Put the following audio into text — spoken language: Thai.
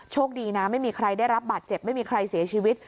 คดีนะไม่มีใครได้รับบาดเจ็บไม่มีใครเสียชีวิต